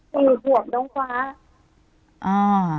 เป็นขวบน้องฟ้า